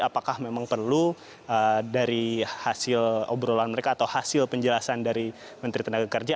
apakah memang perlu dari hasil obrolan mereka atau hasil penjelasan dari menteri tenaga kerja